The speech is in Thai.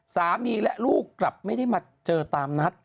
สามีและลูกกลับไม่ได้มาเจอตามนัด